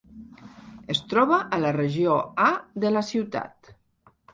Es troba a la regió A de la ciutat.